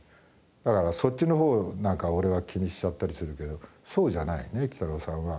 だからそっちのほうをなんか俺は気にしちゃったりするけどそうじゃないねきたろうさんは。